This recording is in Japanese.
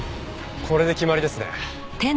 これで決まりですね。